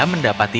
tidak ada apa apa